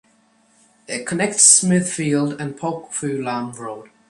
It connects Smithfield and Pok Fu Lam Road.